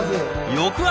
翌朝。